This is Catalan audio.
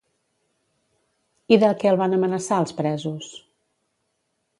I de què el van amenaçar els presos?